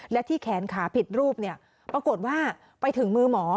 และที่แขนขาผิดรูปปรากฏว่าไปถึงมือหมอ